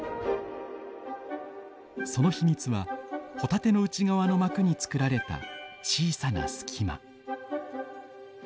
その秘密はホタテの内側の膜に作られた小さな隙間。